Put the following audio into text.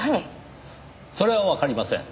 それはわかりません。